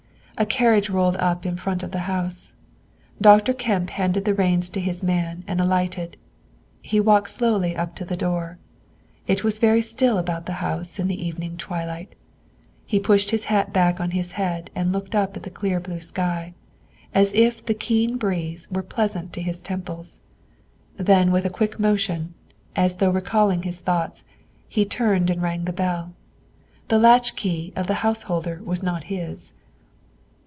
A carriage rolled up in front of the house. Dr. Kemp handed the reins to his man and alighted. He walked slowly up to the door. It was very still about the house in the evening twilight. He pushed his hat back on his head and looked up at the clear blue sky, as if the keen breeze were pleasant to his temples. Then with a quick motion, as though recalling his thoughts, he turned and rang the bell. The latchkey of the householder was not his.